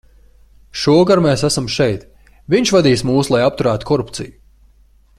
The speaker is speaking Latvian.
Šovakar mēs esam šeit, viņš vadīs mūs, lai apturētu korupciju.